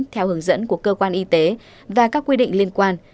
theo hướng dẫn của cơ quan y tế và các quy định liên quan